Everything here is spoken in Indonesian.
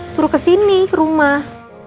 suruh kesini rumah